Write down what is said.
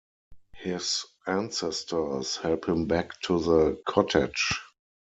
His ancestors help him back to the cottage.